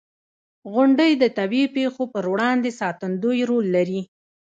• غونډۍ د طبعي پېښو پر وړاندې ساتندوی رول لري.